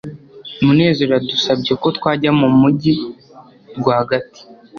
munezero yadusabye ko twajya mu mujyi rwagati